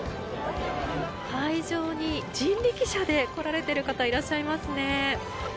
会場に人力車で来られている方いらっしゃいますね。